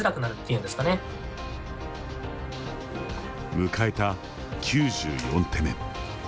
迎えた９４手目。